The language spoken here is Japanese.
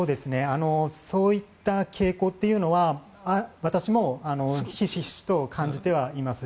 そういった傾向というのは私もひしひしと感じてはいます。